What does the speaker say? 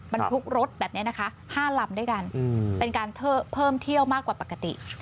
บรรทุกรถแบบนี้นะคะ๕ลำด้วยกันเป็นการเพิ่มเที่ยวมากกว่าปกติ